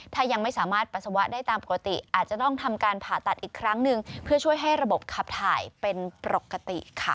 ถ้ายังไม่สามารถปัสสาวะได้ตามปกติอาจจะต้องทำการผ่าตัดอีกครั้งหนึ่งเพื่อช่วยให้ระบบขับถ่ายเป็นปกติค่ะ